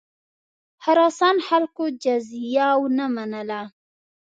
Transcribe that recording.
خراسان خلکو جزیه ونه منله.